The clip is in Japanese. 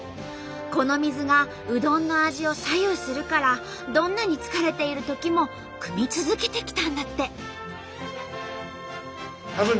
この水がうどんの味を左右するからどんなに疲れているときもくみ続けてきたんだって。